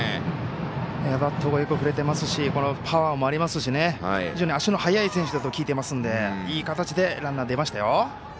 バットがよく振れてますしパワーもありますし非常に足の速い選手だと聞いていますのでいい形でランナーが出ました。